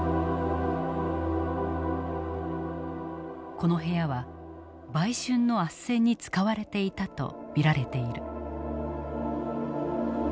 この部屋は売春の斡旋に使われていたと見られている。